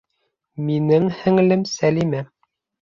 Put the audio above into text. Минең һеңлем Сәлимә